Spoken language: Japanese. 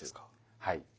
はい。